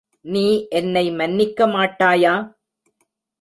நீ என்னை மன்னிக்க மாட்டாயா?